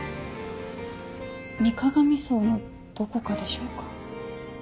水鏡荘のどこかでしょうか。